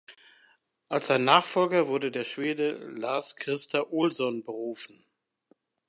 Als sein Nachfolger wurde der Schwede Lars-Christer Olsson berufen.